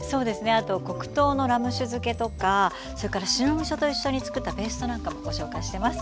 あと黒糖のラム酒漬けとかそれから白みそと一緒につくったペーストなんかもご紹介してます。